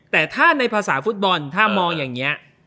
แต่ถ้าในภาษาฟุตบอลถ้ามองอย่างนี้